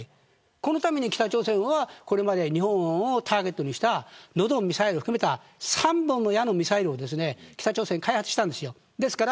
そのために北朝鮮は、これまで日本をターゲットにしたノドンミサイルを含めた３本の矢のミサイルを開発しました。